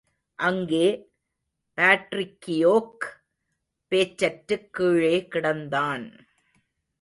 அங்கே பாட்ரிக்கியோக் பேச்சற்றுக் கீழே கிடந்தான்.